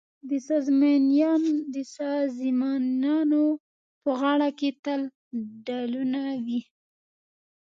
د ساز مېنانو په غاړه کې تل ډهلونه وي.